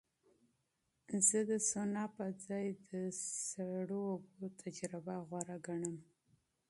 زه د سونا په ځای د سړو اوبو تجربه غوره ګڼم.